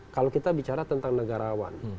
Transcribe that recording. kalau kita bicara tentang negarawan